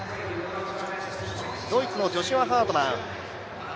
ドイツのジョシュア・ハートマン。